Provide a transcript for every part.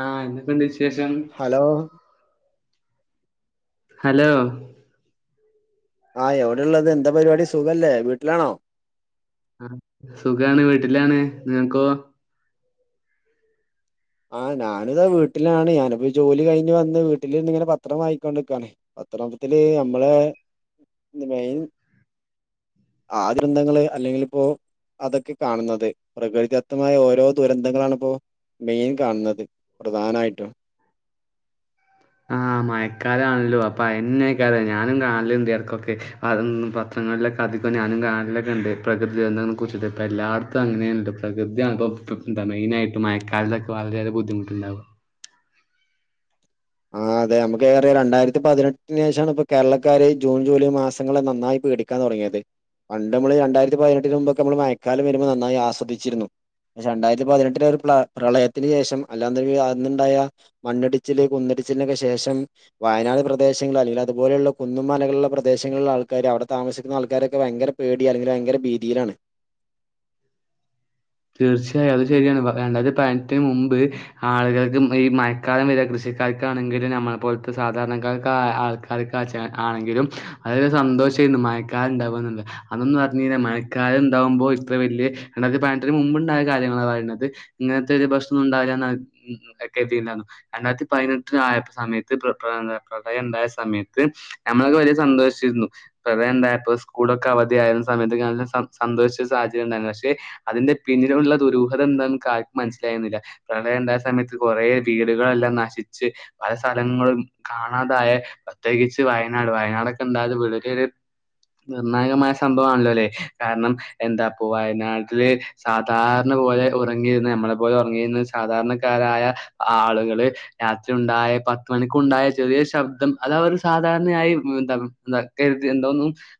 ആ എന്നൊക്കെണ്ട് wish hello hello ആഹ് എവിടെള്ളത് എന്താ പരിപാടി സുഖല്ലേ വീട്ടിലാണോ ആ സുഖാണ് വീട്ടിലാണ് നിങ്ങക്കോ ആഹ് ഞാനിതാ വീട്ടിലാണ് ഞാനിപ്പോ ജോലി കഴിഞ്ഞ് വന്ന് വീട്ടിൽ ഇന്നിങ്ങനെ പത്രം വായിക്കൊണ്ടിക്കണേ പത്രത്തില് നമ്മളെ മെയിൻ ആ ഗ്രന്തങ്ങള് അല്ലെങ്കിൽ ഇപ്പോ അതൊക്കെ കാണുന്നത് പ്രകൃതിദത്തമായ ഓരോ ദുരന്തങ്ങളാണിപ്പോ മെയിൻ കാണുന്നത് പ്രധാനമായിട്ടും ആ മയക്കാലം ആണല്ലോ അപ്പൊ അന്നെക്കറ ഞാനും കാണല് ഉണ്ട് എടക്കൊക്കെ അതൊന്ന് പത്ര അങ്ങനൊക്കെ അധികം ഞാനും കാണലൊക്കെ ഉണ്ട് പ്രകൃതിനെ കുറിച്ചിട്ട് ഇപ്പ എല്ലാടത്തും അങ്ങനെ ഉണ്ട് പ്രകൃതിയാണ്പ്പം പ്പം ന്താ മെയിന് ആയിട്ട് മഴക്കാലത്തൊക്കെ വളരെയേറെ ബുദ്ധിമുട്ടുണ്ടാവും ആ അതെ നമുക്കറിയാം രണ്ടായിരത്തി പതിനെട്ടിന് ശേഷമാണ് ഇപ്പ കേരളക്കാര് ജൂൺ ജൂലൈ മാസങ്ങളെ നന്നായി പേടിക്കാൻ തുടങ്ങിയത് പണ്ട് നമ്മള് രണ്ടായിരത്തി പതിനെട്ടിന് മുമ്പ് നമ്മള് മയക്കാലം വരുമ്പോൾ നന്നായി ആസ്വദിച്ചിരുന്നു പക്ഷെ രണ്ടായിരത്തി പതിനെട്ടിലെ ഒരു പ്ര പ്രളയത്തിന് ശേഷം അല്ലാ അന്നുണ്ടായ മണ്ണിടിച്ചില് കുന്ന് ടിച്ചിലിനൊക്കെ ശേഷം വയനാട് പ്രദേശങ്ങൾ അല്ലെങ്കിൽ അതുപോലെയുള്ള കുന്നും മലകളുള്ള പ്രദേശങ്ങളിലുള്ള ആൾക്കാർ അവിടത്തെ താമസിക്കുന്ന ആൾക്കാരൊക്കെ ഭയങ്കര പേടി അല്ലെങ്കിൽ ഭയങ്കര ഭീതിയിലാണ് തീർച്ചയായും അത് ശരിയാണ് രണ്ടായിരത്തി പതിനെട്ടിന് മുമ്പ് ആളുകൾക്ക് ഈ മഴക്കാലം വര കൃഷി കായിക്കാണെങ്കിലും നമ്മൾ പോലത്തെ സാധാരണക്കാർക്ക് ആൾക്കാർക്ക് ആണെങ്കിലും അ സന്തോ ശ ആയിരുന്നു മഴക്കാലം ഉണ്ടാവണ്ട് അതൊന്ന് പറഞ്ഞ് മഴക്കാലം ഉണ്ടാവുമ്പോൾ ഇത്ര വലിയ രണ്ടായിരത്തി പതി ട്ടിന് മുമ്പുണ്ടായ കാലങ്ങളാണ് പറയുന്നത് ഇങ്ങനത്തെ ഒരു പ്രശ്നം ഉണ്ടാവില്ലയിരുന്നു രണ്ടായിരത്തി പതിനെട്ടിനായ സമയത്ത് പ്ര പ്ര പ്രളയം ഉണ്ടായ സമയത്ത് നമ്മളൊക്കെ വലിയ സന്തോഷിച്ചിരുന്നു പ്രളയ ഉണ്ടായ ഇപ്പൊ സ്കൂളൊക്കെ അവധിയായിരുന്ന സമയത്ത് എല്ലാ സ സന്തോഷിച്ച സാഹചര്യം ഉണ്ടായിരുന്നു പക്ഷെ അതിന്റെ പിന്നിൽ ഉള്ള ദുരൂഹതം എന്താ നമുക്ക് ആർക്ക് മനസ്സിലായിന്നില്ല പ്രളയ ഉണ്ടായ സമയത്ത് കുറേ വീടുകളെല്ലാം നശിച്ച് പല സ്ഥലങ്ങളും കാണാതായ പ്രത്യേകിച്ച് വയനാട് വയനാടക്കെ എന്താലും [unintelligible] നിർണായകമായ സംഭവമാണല്ലോ അല്ലെ കാരണം എന്താപ്പ വയനാട് ല് സാധാരണ പോലെ ഉറങ്ങിയിര്ന്ന നമ്മളെ പോലെ ഉറങ്ങിയിരുന്ന സാധാരണക്കാരായ ആളുക എളെ രാത്രി ഉണ്ടായ പത്ത് മണിക്കണ്ടായ ചെറിയ ശബ്ദം അത അവര് സാധാരണയായി എന്താ ന്തക്കെ എഴുതിനെന്തോ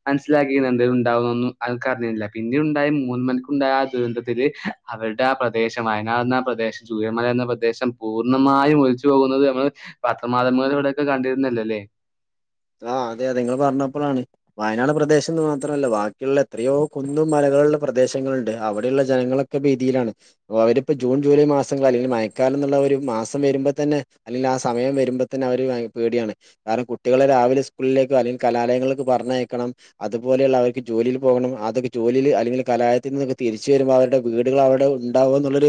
മനസ്സിലാക്കിുന്നുണ്ട് ഇ ഉണ്ടാവുന്നൊന്നും ആൾക്ക അറിിയുന്നില്ല പിന്നെ ഉണ്ടായ മൂ മ ണ്ടായ ദുരന്തത്തില് അവരുടെ ആ പ്രദേശം വയനാട് എന്ന പ്രദേശം ചൂയമല എന്ന പ്രദേശം പൂർണ്ണമാ മായ ഒലിച്ചു പോകുന്നത് നമ്മൾ പത്രമാധ്യമങ്ങളിലൂടെയൊക്കെ കണ്ടിരുന്നല്ല അല്ലേ [inaudible] ആ അതെ അത നിങ്ങൾ പറഞ്ഞപ്പോൾാണ് വയനാട് പ്രദേശം എന്ന് മാത്രല്ല ബാക്കിയുള്ള എത്രയോ കന്നും മലയും കുന്നുകളുള്ള പ്രദേശങ്ങളുണ്ട് അവിടെയുള്ള ജനങ്ങളൊക്കെ ഭീതിയിലാണ് അവരിപ്പോ ജൂൺ ജൂലൈ മാസങ്ങൾ അല്ലെങ്കിൽ മയക്കാല എന്നുള്ള ഒരു മാസം വരുമ്പോ തന്നെ അല്ലെല് ആ സമയം വരുമ്പോ തന്നെ അവര് ഭയങ്ക പേടിയാണ് കാരം കുട്ട കുട്ടികളെ രാവിലെ സ്കൂളിലേ അല്ലെങ്കിൽ കലാലയങ്ങളിലക്ക് പറഞ്ഞയക്കണം അതുപോലെ ള്ളവർക്ക് ജോലിൽ പോകണം അതൊെ അല്ലെങ്ക കലായത്തിൽ നിന്ന് തിരിച്ചു വരുമ്പോ അവരുടെ വീട്കള് ഉണ്ടാവുംന്നുള്ള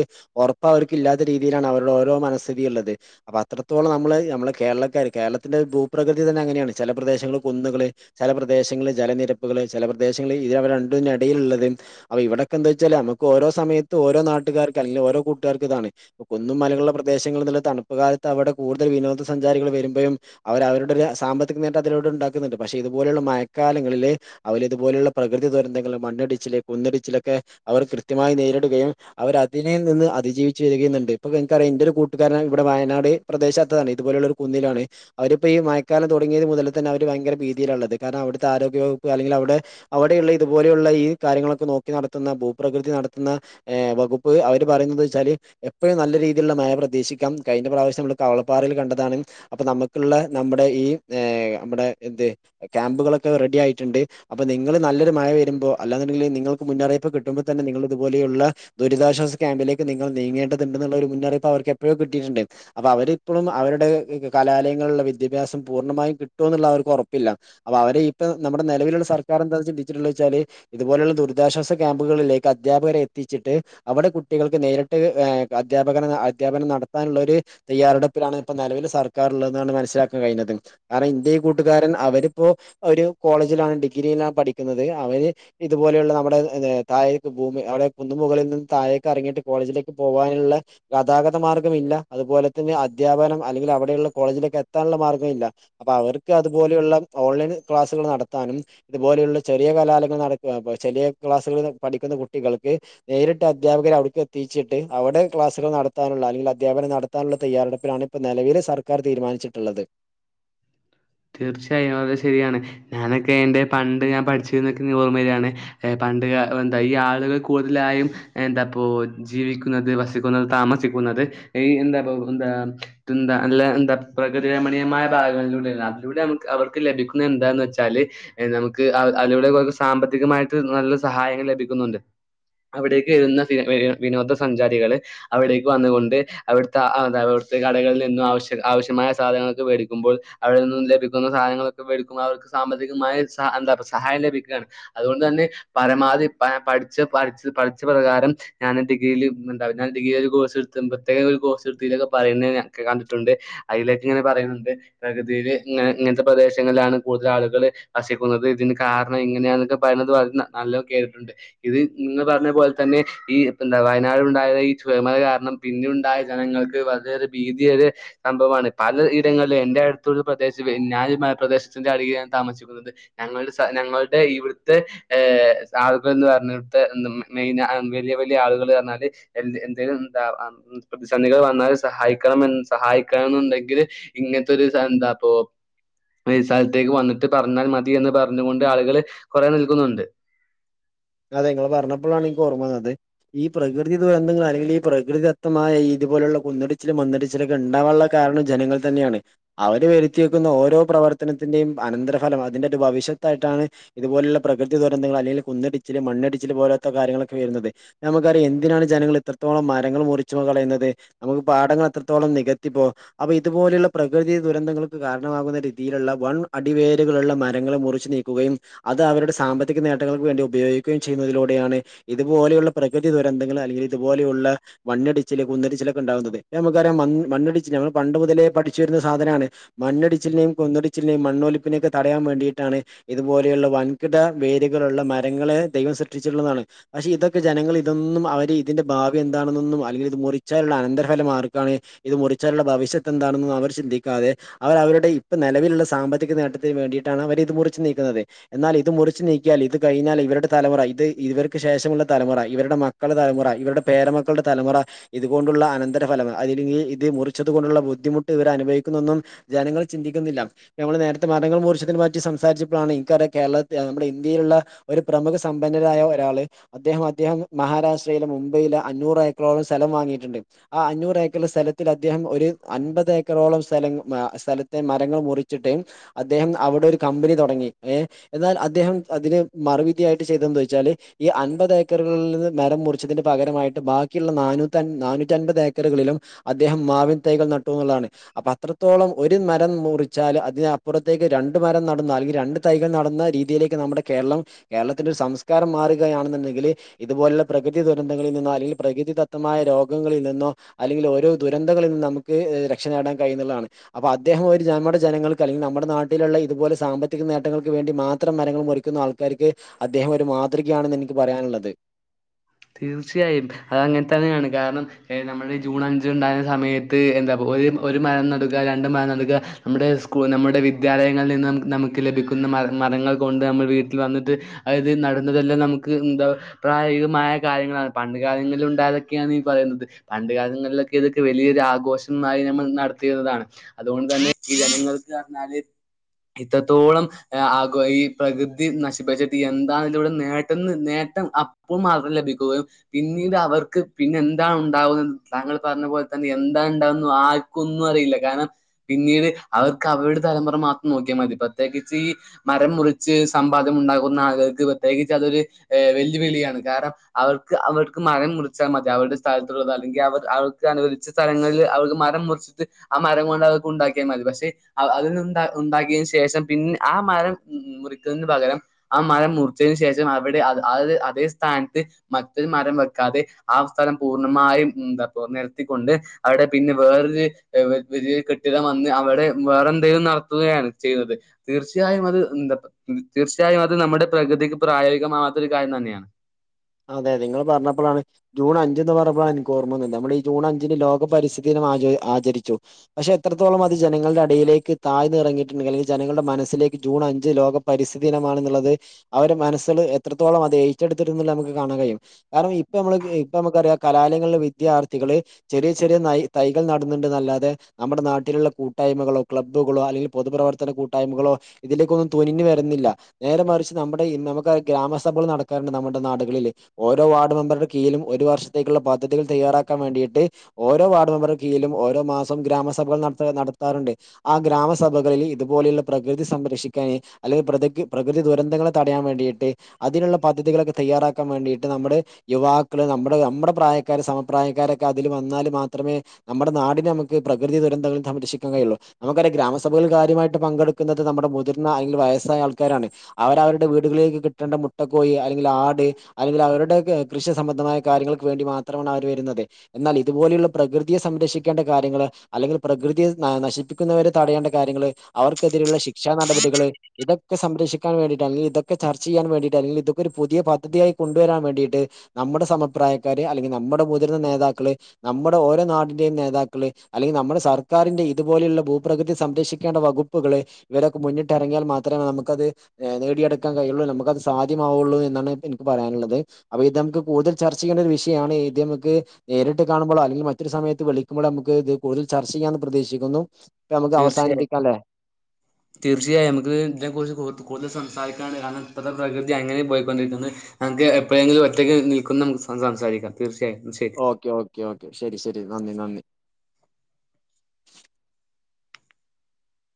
ഉറപ്പ് അവർല്ലാത്ത രീതി ഈലാണ് അവരുടെ ഓരോ മനസ്ഥിതി ഉള്ളത് അപ്പോ അത്രത്തോളം നമ്മള് നമ്മുടെ കേരളക്കാര് കേരളത്തിന്റെ ഭൂപ്രകതി ഇത്‌ തന്നെ അങ്ങനെയാണ് ചില പ്രദേശങ്ങൾ കുന്നുകള് ചില പ്രദേശങ്ങൾ ജലനിരപ്പുകള് ചില പ്രദേശങ്ങൾ ഇ അവ രണ്ടണ്ടിന്റെടക്ക് ഇടയിലുള്ളത അപ്പൊ ഇവിടൊക്കെ എന്താ വെച്ചാ നമ്മക്ക് ഓരോ സമയത്ത് ഓരോനാട്ടുകാർക്ക്‌ അല്ലങ്കിൽ ഓരോ കൂട്ടുകാർക്ക് ഇതാണ് കുന്നും മലകുള്ള പ്രദേശങ്ങളിലെ എന്നുള്ള തണുപ്പ് കാലത്ത് അവിടെ കൂടുതൽ വിനോദസഞ്ചാരികൾ വരുമ്പോഴും അവര് അവരുടെ സാമ്പത്തിക നേട്ടം അതിലൂടെ ഉണ്ടാക്കുന്നുണ്ട് പക്ഷെ ഇതുപോലുള്ള മഴക്കാലങ്ങളില് അവൽ ഇതുപോലുള്ള പ്രകൃതി ദുരന്തങ്ങൾ മണ്ണ് [unintelligible] കുന്നിടിച്ചിലൊക്കെ അവർ കൃത്യമായി നേരിടുകയും അവര് അതിനേം നിന്ന് അതിജീവിച്ചു വരികകേന്നുണ്ട് ഇപ്പൊ എനിക്കറിയാം എന്റെ ഒരു കൂട്ടുകാരൻ ഇവിടെ വയനാട് പ്രദേശത്തതാണ് ഇതുപോലുള്ള ഒരു കുന്നിലാണ് അവരിപ്പ ഈ മഴ ക്കാലം തുടങ്ങിയത് മുതൽ തന്നെ അവര് ഭയങ്കര ഭീതിയിലാണുള്ളത് കാരണം അവിടുത്തെ ആരോഗ്യ വകുപ്പ് അല്ലെങ്കിൽ അവിടെ അവിടെയുള്ള ഇത് പോലയുള്ള ഈ കാര്യങ്ങളൊക്കെ നോക്കി നടത്തുന്ന ഭൂപ്രകൃതി നടത്തുന്ന ഏഹ് വകുപ്പ് അവര് പറയുന്നത് വെച്ചാല് എപ്പ നല്ല രീതിയിലുള്ള മഴ പ്രതീക്ഷിക്കാം കഴിഞ്ഞ പ്രാവശ്യം നമ്മൾ കവളപ്പാറയിൽ കണ്ടതാണ് അപ്പൊ നമുക്കുള്ള നമ്മ ടെ ഈ നമ്മടെ എന്തേ ക്യാമ്പുകളൊക്കെ റെഡി ആയിട്ടുണ്ട് അപ്പോ നിങ്ങൾ നല്ലൊരു മഴ വരു മ്പോ അല്ലാന്നുണ്ടെങ്കില് നിങ്ങൾക്ക്‌ മുന്നറിയിപ്പ് കിട്ടുമ്പോ നിങ്ങൾ ഇതു പോലെയൂള്ള ദുരിതാശ്വാസ ക്യാമ്പിലേക്ക് നിങ്ങൾ നീങ്ങേണ്ട ത്‌ ഇണ്ടന്നുള്ള ഒരു മുന്നറിയിപ്പ് അവർക്ക് എപ്പോഴോ കിട്ടിയിട്ടുണ്ട് അപ്പൊ അവരിപ്പഴും അവരുടെ കാലാലയങ്ങളില് വി വിദ്യാഭ്യാസം പൂർണ്ണമായും കിട്ടൊന്നുള്ള അവർക്ക് ഉറപ്പില്ല അപ്പൊ അവരെ ഇപ്പ നമ്മ നിലവിലുള്ള സർക്കാർ എന്താ ചിന്തിച്ചിട്ടുള്ളെച്ചാല് ഇതുപോലുള്ള ദുരിതാശ്വാസ ക്യാമ്പുകളിലേക്ക് അധ്യാപകരെ എത്തിചിട്ട് അവിടെ കുട്ടികൾക്ക് നേരിട്ട് ഏഹ് അധ്യാപകന് അധ്യാപനം നടത്താനുള്ള ഒരു തയ്യാറെടുപ്പിലാണ് ഇപ്പോ നിലവിൽ സർക്കാർ ഉള്ളതെന്നാണ് മനസ്സിലാ കഴിഞ്ഞത് കാരണം ഇതേ കൂട്ടുകാരൻ അവരിപ്പോ ഒരു കോളേജിലാണ് ഡിഗ്രിയാണ് പഠിക്കുന്നത് അവര് ഇതുപോലെയുള്ള നമ്മുടെ താഴേക്ക് ഭൂമി അവിടെ കുന്നിന്മുകളിൽ നിന്ന് തായേക്ക് ഇറങ്ങിയിട്ട് കോളേജിലേക്ക് പോകു പോകാനുള്ള ഗതാഗത മാർഗം ഇല്ല അതുപോലെ തന്നെ അധ്യാപനം അല്ലെങ്കിൽ അവിടെയുള്ള കോളേജിലൊക്കെ എത്താനുള്ള മാർഗവില്ല അപ്പൊ അവർക്ക് അതുപോലെയുള്ള ഓൺലൈൻ ക്ലാസുകൾ നടത്താനും ഇതുപോലുള്ള ചെറിയ കലാലയങ്ങൾ നടക്കാ അപ്പൊ ചെറിയ ക്ലാസ്സുകളിൽ പഠിക്കുന്ന കുട്ടികൾക്ക് നേരിട്ട് അധ്യാപകരെ അവിടുക്ക് എത്തിച്ചി ട്ട് അവിടെ ക്ലാസുകൾ നടത്താനുള്ള അല്ലെങ്കിൽ അധ്യാപനം നടത്താനുള്ള തയ്യാറെടുപ്പിലാണ് ഇപ്പോ നിലവിൽ സർക്കാർ തീരുമാനിച്ചി ട്ടുള്ളത് തീർച്ചയായും അത് ശരിയാണ് ഞാനൊക്കെ എന്റെ പണ്ട് ഞാൻ പഠിച്ചിരുന്നൊക്കെ ഓർമ്മ വരുവാണ് എ പ പണ്ട് എന്ത ഈ ആളുകൾ കൂടുതലായും എന്താപ്പോ ജീവിക്കുന്നത് വസിക്കുന്നത് താമസിക്കുന്ന അത് എന്താ പ്പൊ എന്താ ഇതെന്താ അല്ല എന്താ പ്രകൃതി രമണീയമായ ഭാഗങ്ങളിലൂടെ അതിലുടെ അവർക്ക്, അവർക്ക് ലഭിക്കുന്ന എന്താന്ന് വെച്ചാല് നമുക്ക് അതിലൂടെ സാമ്പത്തികമായിട്ട് നല്ല സഹായങ്ങൾ ലഭിക്കുന്നുണ്ട് അവിടേക്ക് വരുന്ന വി വി വിനോദസഞ്ചാരികള് അവിടേക്ക് വന്നുകൊണ്ട് അവിടുത്തെ അ കടകളിൽ നിന്നും ആവശ്യ ആവശ്യമായ സാധനങ്ങൾക്കെ മേടിക്കുമ്പോൾ അവിടെ നിന്ന് ലെ - ഭിക്കുന്ന സാധങ്ങളൊക്കെ ഇവർക്ക് അവർക്ക് സാമ്പത്തികമായി സ എന്താ സഹായം ലഭിക്കുകയാണ് അതുകൊണ്ട് തന്നെ പരമാ ആദ്യം പഠിച്ച പഠിച്ച പഠിച്ച പ്രകാരം ഞാൻ ഡിഗ്രിൽ എന്താ ഞാൻ ഡിഗ്രി ഒരു കോഴ്സ് എടുത്തുമ്പ പ്രത്യേക ഒരു കോഴ്സ് എടുത്തിലന്നൊക്കെ പറയുന്ന ഞാൻ കണ്ടിട്ടുണ്ട് അതിലൊക്കെ ഇങ്ങനെ പറയുന്നുണ്ട് പ്രകൃതിയില് ഇങ്ങനെ ഇങ്ങനത്തെ പ്രദേശങ്ങളിലാണ് കൂടുതൽ ആളുകള് വസിക്കുന്നത് ഇതിന് കാരണം ഇങ്ങനെയാെന്നൊക്കെ പറയുന്നത് [unintelligible] [unintelligible] കേട്ടിട്ടുണ്ട് ഇത് ഇന്ന് പറഞ്ഞ പോലെ തന്നെ ഈ എന്താ വയനാട് ഉണ്ടായത് ഈ ചുരൽ മല കാരണം പിന്നെ ഉണ്ടായ ജനങ്ങൾക്ക് വളരെ ഒരു ഭീതി ഒരു സംഭവമാണ് പലയിടങ്ങളിലും എൻറെ അടുത്തൊരു പ്രേദേശവേ ഞാന് പ്രദേശത്തിന്റെ അരികെയാണ് താമസിക്കുന്നത് ഞങ്ങളുടെ ഞങ്ങളുടെ ഇവിടുത്തെ ഏഹ് എ ആളുകൾ എന്ന് പറഞ്ഞു കൊടുത്ത മെയിൻ വലിയ വലിയ ആളുകൾ പറഞ്ഞാല് എന്ത് എന്തേലും എന്താ പ്രതിസന്ധികൾ വന്നാൽ സഹായിക്കണം എ സഹായിക്കണം എന്നുണ്ടെങ്കിൽ ഇങ്ങനത്തെ ഒരു സ എന്താ [unintelligible] ഈ സ്ഥലത്തേക്കുവന്നിട്ടു പറഞ്ഞാൽമതിയെന്നു പറഞ്ഞുകൊണ്ട്, ആളുകളെ കുറെ നിൽക്കുന്നുണ്ട്. അതെ, നിങ്ങളുപറഞ്ഞപ്പോളാണ് എനിക്കോർമ്മ വന്നത്. ഈ പ്രകൃതി ദുരന്തങ്ങൾ അല്ലെങ്കിൽ ഈ പ്രകൃതിദത്തമായ ഈ ഇതുപ്പോലുള്ള കുന്നിടിച്ചിലും മണ്ണിടിച്ചിലുമൊക്കെയുണ്ടാകാനുള്ള കാരണം ജനങ്ങൾ തന്നെയാണ് അവരുവരുത്തി വയ്ക്കുന്ന ഓരോ പ്ര പ്രവർത്തനത്തിന്റെയും അനന്തരഫലമാ, ഇതിന്റെ യൊരു ഭവിഷ്യത്തായിട്ടാണ്. ഇതുപോലുള്ള പ്രകൃതി ദുരന്തങ്ങൾ അല്ലെങ്കിൽ കുന്നിടി മണ്ണിടിച്ചിൽ പോലെത്തെ കാര്യങ്ങളൊക്കെ വരുന്നതേ, നമുക്കറിയാം എന്തിനാണുജനങ്ങളിത്ര ത്തോളം മരങ്ങൾ മുറിച്ചു കളയുന്നത്. നമുക്കുപാടങ്ങൾ എത്രത്തോളം നികത്തിപ്പോം, അപ്പൊ ഇതുപോലെയുള്ള പ്രകൃതിദുരന്തങ്ങൾക്കു കാരണമാകുന്ന രീതി രീതിയിലുള്ള വൺ അടിവേരുകളുള്ള മരങ്ങൾ മുറിച്ചു നീക്കുകയും, അതവരുടെ സാമ്പത്തിക നേട്ടങ്ങൾക്കുവേണ്ടി ഉപയോഗി ക്കുകയും ചെയ്യുന്നതിലൂടെയാണ്, ഇതുപോലെയുള്ള പ്രകൃതി ദുരന്തങ്ങൾ, അല്ലെങ്കിൽ ഇതുപോലെയുള്ള മണ്ണിടിച്ചില്, കുന്നിടിച്ചി ലൊക്കെയുണ്ടാകുന്നത്. നമുക്കറിയാം മൻ മണ്ണിടിച്ചില് നമ്മൾ പണ്ടുമുതലേ പഠിച്ചുവരുന്ന സാധനമാണ്. മണ്ണിടിച്ചിലിനെയും കുന്നിടി ടിച്ചിലിനേയും മണ്ണൊലിപ്പിനയൊക്കെ തടയാൻ വേണ്ടിയിട്ടാണ് ഇതുപോലെയുള്ള വൻകിട വേരുകളുള്ള മരങ്ങളെ ദൈവം സൃഷ്ടിച്ചിട്ടുള്ളതാണ്. പക്ഷേയിതൊക്കെ ജനങ്ങളിതൊന്നും അവരിതിന്റെ ഭാവിയെന്താണെന്നും, അല്ലേൽ ഇതുമുറിച്ചാലുള്ള അനന്തരഫലം ആർക്കാണ്. ഇതു മുറിച്ചാലുള്ള ഭവിഷ്യത്ത് എന്താണെന്നവർ ചിന്തിക്കാതെ അവരവരുടെ ഇപ്പ നിലവിൽ സാമ്പത്തിക നേട്ടത്തിന് വേണ്ടിയിട്ടാണ് അവരിത് മുറിച്ചുനീക്കുന്നത്. എന്നാൽ ഇതുമുറിച്ചു നീക്കിയാലിതുകഴിഞ്ഞാലിവരുടെ തലമുറ, ഇതിവർക്കു ശേഷമുള്ള തലമുറ. ഇവരുടെ മക്കളുടെ തലമുറ. ഇവരുടെ പേരമക്കളുടെ തലമുറ. ഇതുകൊണ്ട് ഉള്ള, അനന്തരഫലം അതില്ലെങ്കിലിതുമുറിച്ചതുകൊണ്ടുള്ള ബുദ്ധിമുട്ടിവർ അനുഭവിക്കുന്നതൊന്നും ജനങ്ങൾ ചിന്തിക്കുന്നില്ല. നമ്മളുനേരത്തെ മരങ്ങൾ മറിച്ചതിന് മാറ്റി സംസാരിച്ചപ്പോഴാണ്, ഈ കാര്യം കേരളത്തി നമ്മുടെ ഇന്ത്യയിലുള്ള ഒരു പ്രമുഖസമ്പന്നരായ ഒരാള് അദ്ദേഹം, അദ്ധ്യാപ മഹാരാഷ്ട്രയിലെ മുംബൈയില് അഞ്ഞൂറേക്കറോളം സ്ഥലം വാങ്ങി. വാങ്ങിയിട്ടുണ്ട്. ആ അഞ്ഞൂറേക്കറു സ്ഥലത്തിൽ അദ്ദേഹം ഒരു അൻപതേക്കറോളം സ്ഥലം... സ്ഥലത്തെ മര കമ്പനി തുടങ്ങി വൃത്തിയായിട്ട് ചെയ്തതെന്തുവച്ചാലീഅൻപതേക്കറുകളിൽനിന്ന്മരം മുറിച്ചതിന്റെ പകരമായിട്ട്, ബാക്കിയുള്ള നാനൂറ്റൻപ നാനൂറ്റി അൻപതേക്കറുകളിലും, അദ്ദേഹം മാവിൻ തൈകൾ നട്ടൂന്നുള്ളതാണ്. അപ്പൊ അത്രത്തോളമൊരു മരം മു.. മുറിച്ചാലതിനപ്പുറത്തേക്കുരണ്ടു മരംനടന്ന അല്ലെങ്കിൽ രണ്ടു തൈകൾ നടുന്ന രീതിയിലേക്ക് നമ്മുടെ കേരളം. കേരളത്തിന്റെയൊരു സംസ്കാരം മാറുകയാണെന്നുണ്ടെങ്കില്, ഇതുപോലുള്ള പ്രകൃതി ദുരന്തങ്ങളിൽ നിന്നോയല്ലെങ്കിൽ പ്രകൃതിദത്തമായൊരു രോഗങ്ങളിൽ നിന്നോ അല്ലെങ്കിൽ ഓരോ ദുരന്തങ്ങളിൽ നിന്നും നമുക്കു രക്ഷനേടാൻ കഴിയുമെന്നുള്ളതാണ്. അപ്പം അദ്ദേഹം അവ നമ്മുടെ ജനങ്ങൾക്ക ല്ലെങ്കിൽ നമ്മുടെ നാട്ടിലുള്ളയിതുപോലെ സാമ്പത്തിക നേട്ടങ്ങൾക്കുവേണ്ടി മാത്രം മരങ്ങൾ മുറിക്കുന്നയാൾക്കാർക്ക് അദ്ദേഹമൊരു മാതൃകയാണെന്ന് എനിക്കുപറയാനുള്ളത്. തീർച്ചയായും. അത ങ്ങനെതന്നെയാണ്. കാരണം, നമ്മുടെജൂൺ അഞ്ചിനുണ്ടായ.. സമയത്തെന്താ, ഒരു മരം നടുക, രണ്ടുമരംനടുക നമ്മുടെ സ്കൂ.. നമ്മുടെ വിദ്യാലയങ്ങളിൽ നിന്നും നമു, നമുക്ക് ലഭിക്കുന്ന മരങ്ങൾകൊണ്ടുനമ്മൾ വീട്ടിൽ വന്നിട്ടതായിത് നടുന്നതെല്ലാം നമുക്ക് എന്താ പറ പ്രായ ഇതുമാക്സ് കാര്യങ്ങളാണ്. പണ്ടുകാലങ്ങളിലുണ്ടായതൊക്കെയാണീപറയുന്നത്. പണ്ടുകാലങ്ങളിലൊക്കെ ഇതൊക്കെ വലിയൊരാഘോഷമായി നമ്മൾ നടത്തിയിരുന്നതാണ്. അതുകൊണ്ടുതന്നെ, ഈ ജനങ്ങൾക്കുപറഞ്ഞാല്, ഇത്രത്തോളംആഗോ, ഈ പ്രകൃതി നശിപ്പിച്ചിട്ടെന്താണിവിടെ നേട്ടമെന്ന്.. നേ.. നേട്ടം, അപ്പോ മാത്രം ലഭിക്കും. പോം, പിന്നീട് അവർക്കു പിന്നെ യെന്താണുണ്ടാവുന്നതെന്ന്, താങ്കൾ പറഞ്ഞപോലെ തന്നെ യെന്താണുണ്ടാവുന്നതെന്ന് ആർക്കും ആർക്കൊന്നുമറിയില്ല, കാരണം പിന്നീട് അവർക്ക് അവരുടെ തലമുറ മാത്രം നോക്കിയാൽ മതി പ്രത്യേകിച്ചീ മരം മുറിച്ച്സമ്പാദ്യമുണ്ടാകുന്നയാളുകൾക്ക് പ്രത്യേകിച്ചതൊരു ഏ.. വെല്ലുവിളിയാണ്. കാരണം അവർക്ക്, അവർക്ക്, മരം മുറിച്ചാൽമതി. അവരുടെ സ്ഥലത്തുള്ളതല്ലെങ്കിൽ അവർ അവർക്കനുനുവദിച്ച സ്ഥലങ്ങളിൽ അവർക്കു മരം മരം മുറിച്ചിട്ട്, ആ മരം കൊണ്ടു അതൊക്കെയുണ്ടാക്കിയാൽമതി. പക്ഷേ അ.. അവരുണ്ടാക്കിയതിനു ശേഷം പിന്നെയാ മ മരം മുറിക്കുന്നനുപകരം ആ മരംമുറിച്ചതിനു ശേഷമവിടെ അ... അതേ, സ്ഥാനത്ത് മറ്റൊരുമരം വെക്കാതെ ആ സ്ഥലംപൂർണ്ണമായും, എന്താപ്പം, നിർത്തിക്കൊണ്ടവിടെ പിന്നെ വേറൊ വലിയ കെട്ടിടം വന്ന് അവിടെ വേറെന്തേലും നടത്തുകയാണ് ചെയ്തത്. തീർച്ചയായും അ ഇതെന്താ തീർച്ചയായും അതുനമ്മുടെ പ്രകൃതിക്കു പ്രായോഗികമാവാത്തൊരുകാര്യം തന്നെയാണ്. അതെ, നിങ്ങൾ പറഞ്ഞപ്പോളാണ് ജൂൺ അഞ്ചെന്ന് പറയപ്പോൾ എനിക്കോർമ്മ വന്നത്. നമ്മളീജൂൺ അഞ്ചിന് ലോകപരിസ്ഥിതിദിനമാചരി ആചരിച്ചു. പക്ഷേ യെത്രത്തോളം അതുജനങ്ങളുടെ അടിയിലേക്ക് താഴ്ന്നിറങ്ങിയിട്ടുണ്ടല്ലെങ്കിൽ ജനങ്ങളുടെ മനസ്സിലേക്ക് ജൂൺ ജൂണഞ്ച് ലോകപരിസ്ഥി ദിനമാണെന്നുള്ളത്, അവരുടെ മനസിൽ എത്രത്തോളം അതേറ്റെടുത്തിരുന്നില്ലാന്ന്നമുക്ക്, കാണാൻ കഴിയും. കാരണം ഇപ്പ.. നമ്മള് ഇപ്പ, നമുക്കറിയാം കലാലയങ്ങളിലെ വിദ്യാർത്ഥികള് ചെറിയ ചെറിയ തൈ കൾനടന്നുന്നുണ്ടെന്നല്ലാതെ നമ്മുടെ നാട്ടിലുള്ള കൂട്ടായ്മകളോ, ക്ലബ്ബുകളോ, അല്ലെങ്കിൽ പൊതുപ്രവർത്തന കൂട്ടായ്മകളോ.. ഇതിലേക്കൊന്നും തുനിഞ്ഞ് വരുന്നില്ല നേരെ മറിച്ച് നമ്മുടെ ഈ നമുക്ക് ഗ്രാമസഭകള് നടക്കാറുണ്ട് നമ്മുടെ നാടുകളില് ഓരോ വാർഡ് മെമ്പറുടെ കീയിലും ഒരു വർഷത്തേക്കുള്ള പദ്ധതികൾ തയ്യറാക്കാൻ വേണ്ടിട്ട് ഓരോ വാർഡ് മെമ്പറുടെ കീഴിൽ ഓരോ മാസം ഗ്രാമ സഭകൾ നടത്താറുണ്ട് ആ ഗ്രാമ സഭകളിൽ ക്ഷിക്കാന് അല്ലെങ്കി പ്രതിക്ക് പ്രകൃതി ദുരന്തങ്ങളെ തടയാൻ വേണ്ടിയിട്ട് അതിനുള്ള പദ്ധതികളൊക്കെ തയ്യാറാക്ക ക്കാ വേണ്ടിട്ട് നമ്മുടെ യുവാക്കള് നമ്മുടെ നമ്മുടെ പ്രായക്കാര് സമപ്രായക്കാരൊക്കെ അതില് വന്നാല് മാത്രമേ നമ്മുടെ നാടിനെ നമുക്ക് പ്രകൃതി ദുരന്തങ്ങളിൽ നിന്ന് സംരക്ഷിക്കാൻ കഴിയുള്ളു നമുക്കറിയാം ഗ്രാമസഭയിൽ കാര്യമായിട്ട് പങ്കെടുക്കുന്നത് നമ് നമ്മുടെ മുതിർന്ന അല്ലെങ്കിൽ വയസ്സായ ആൾക്കാരാണ് അവര അവരുടെ വീടുകളിലേക്ക് കിട്ടേണ്ട മുട്ടക്കോയി അല്ലെങ്കിൽ ആട് മ് അല്ലെങ്കിൽ അവരുടെ കൃഷി സംബന്ധമായ കാര്യങ്ങൾക്ക് വേണ്ടി മാത്രമാണ് അവര് വരുന്നത് സംരക്ഷിക്കേണ്ട കാര്യങ്ങള് അല്ലെങ്കിൽ പ്രകൃതിയ നശിപ്പിക്കുന്നവരെ തടയേണ്ട കാര്യങ്ങള് അവർക്കെതിരെയുള്ള ശിക്ഷ നടപടികള് ഇതൊക്കെ സംരക്ഷിക്കാൻ വേണ്ടിട്ടാണ് അല്ലെങ്കിൽ ഇതക്കെ ചർച്ച ചെയ്യാൻ വേണ്ടിട്ടാണ് അല്ലങ്കിൽ ഇതൊക്കെ പുതിയ പദ്ധതിയായി കൊണ്ടുവരാൻ വേണ്ടിയിട്ട് നമ്മുടെ സമപ്രായക്കാര് അല്ലെങ്കിൽ നമ്മുടെ മുതിർന്ന നേതാക്കള് നമ്മുടെ ഓരോ നാടിന യൻ നേതാക്കള് അല്ലെങ്കിൽ നമ്മുടെ സർക്കാരിന്റെ ഇതുപോലെയുള്ള ഭൂപ്രകതി സംരക്ഷിക്കേണ്ട വകുപ്പുകള് ഇവതാ മുന്നിട്ടെറങ്ങിയാൽ മാത്രമേ നമുക്കത് ഏഹ് നേടിയടുക്കാൻ കഴിയുള്ളൂ നമുക്കത് സാധ്യമാവയുള്ളൂ എന്നാണ് പ്പ എന് പറയാനുള്ളത് അപ്പൊ ഇത് നമുക്ക് കൂടുതൽ ചർച്ച ചെയ്യേണ്ട ഒരു വിഷയാണ് ഇത് നമുക്ക് നേരിട്ട് കാണുമ്പോള് അങ്കിൽറ്റൊരു സ സമയത്ത് വിളിക്കുമ്പോളമുക്ക് ഇത് കൂടുതൽ ചർച്ച ചെയ്യാന്ന് പ്രതീക്ഷിക്കുന്നു ഇപ്പൊ നമുക്ക് തീർച്ചയായും അവസാനിപ്പിക്കാം അല്ലേ? തീർച്ചയായും നമക്ക് ഇതിനെ കുറിച്ച് കൂടുത് കൂടുതല് സംസാ തൽക്കാണ്ട് കാതൽ ശരി സർ തീർച്ചയായും ശരി ഓക്കെ ഓക്കെ ഓക്കെ ശരി ശരി നന്ദി നന്ദി